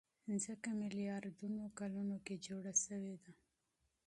ځمکه ميلياردونو کلونو کې جوړه شوې.